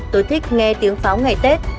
tôi thích nghe tiếng pháo ngày tết